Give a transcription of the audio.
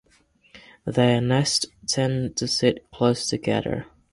Their nests tend to sit close together.